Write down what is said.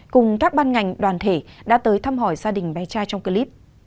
cùng các ban ngành đoàn thể đã tới thăm hỏi gia đình bé trai trong clip